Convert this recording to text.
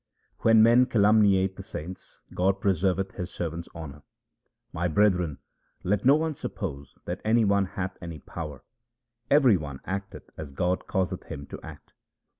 When men calumniate the saints, God preserveth His servants' honour. My brethren, let no one suppose that any one hath any power ; every one acteth as God causeth him to act.